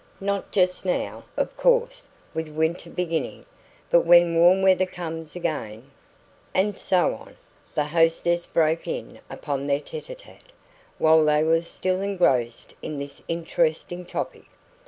Not just now, of course, with winter beginning, but when warm weather comes again " And so on. The hostess broke in upon their TETE A TETE while they were still engrossed in this interesting topic.